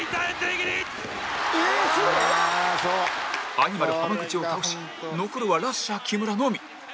アニマル浜口を倒し残るはラッシャー木村のみ